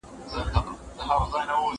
زه اوږده وخت د ښوونځي کتابونه مطالعه کوم!!